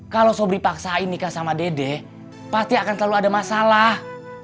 kalau saya beri paksain nikah sama dede pasti akan selalu ada masalah